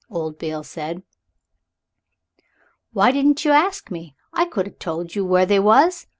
Old Beale said "Why didn't you ask me? I could a told you where they was.